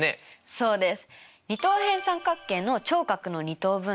そうです。